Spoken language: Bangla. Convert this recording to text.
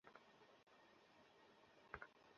পতিতালয়ই হয়ে গিয়েছিলো আমার নতুন ঘর, আর আমি হয়ে গেলাম পতিয়া।